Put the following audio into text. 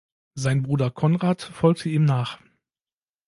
Sein Bruder Konrad folgte ihm nach.